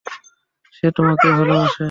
সে তোমাকেও ভালবাসে।